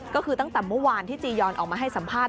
ก็คือตั้งแต่เมื่อวานที่จียอนออกมาให้สัมภาษณ